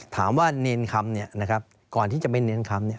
ถามว่าเนียนคำเนี่ยนะครับก่อนที่จะไปเนียนคำเนี่ย